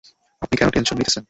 আপনি কেন টেনশন নিতেছেন?